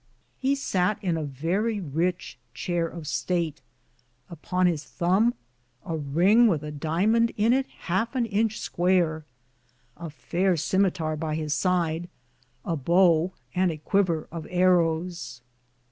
He satt in a verrie ritche Chaire of estate, upon his thumbe a ringe with a diamon in it halfe an inche square, a faire simeterie by his side, a bow, and a quiver of Arros.